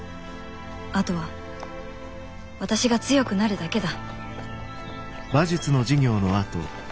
あとは私が強くなるだけだ